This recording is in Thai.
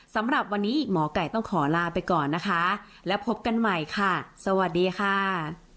สำหรับวันนี้หมอไก่ต้องขอลาไปก่อนนะคะแล้วพบกันใหม่ค่ะสวัสดีค่ะ